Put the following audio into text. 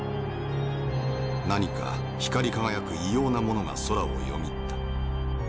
「何か光り輝く異様なものが空をよぎった。